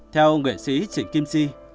theo nghệ sĩ chị kim chi